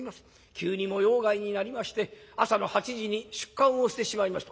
急に模様替えになりまして朝の８時に出棺をしてしまいました』。